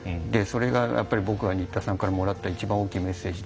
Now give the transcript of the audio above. それが僕が新田さんからもらった一番大きいメッセージ。